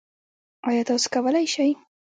ایا تاسو کولی شئ؟